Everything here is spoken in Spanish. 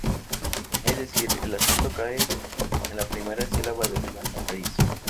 Es decir, el acento cae en la primera sílaba de la raíz.